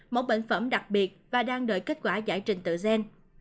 mẫu bệnh phẩm đặc biệt và đang đợi kết quả giải trình tự gen